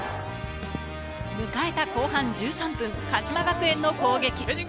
迎えた後半１３分、鹿島学園の攻撃。